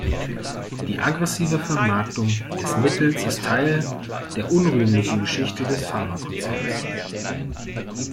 Die aggressive Vermarktung des Mittels ist Teil der unrühmlichen Geschichte des Pharmakonzerns.